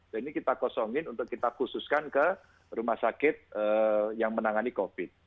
dan ini kita kosongin untuk kita khususkan ke rumah sakit yang menangani covid